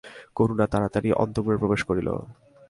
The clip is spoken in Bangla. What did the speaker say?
করুণা তাড়াতাড়ি অন্তঃপুরে প্রবেশ করিল।